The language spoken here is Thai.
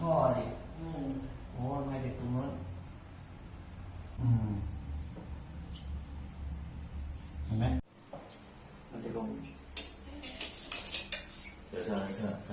เห็นไหมมันจะลงตรงนั้นดึงไปดึงเอามือเอามือเอามือ